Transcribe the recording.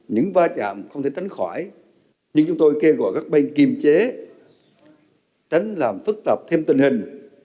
những va chạm không thể tránh khỏi nhưng chúng tôi kêu gọi các bên kiềm chế tránh làm phức tạp thêm tình hình